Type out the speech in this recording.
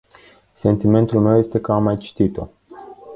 Sentimentul meu este că am mai citit-o.